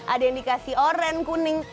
ada yang dikasih oran kuning